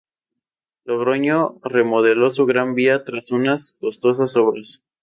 Logroño remodeló su Gran Vía tras unas costosas obras.